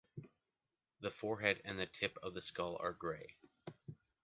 The forehead and the tip of the skull are grey.